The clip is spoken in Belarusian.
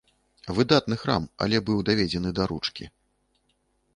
Выдатны храм, але быў даведзены да ручкі.